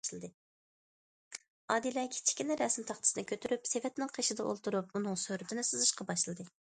ئادىلە كىچىككىنە رەسىم تاختىسىنى كۆتۈرۈپ سېۋەتنىڭ قېشىدا ئولتۇرۇپ ئۇنىڭ سۈرىتىنى سىزىشقا باشلىدى.